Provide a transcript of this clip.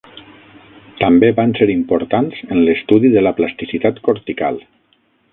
També van ser importants en l'estudi de la plasticitat cortical.